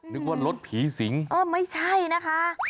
นึกว่ารถผีสิงเออไม่ใช่นะคะ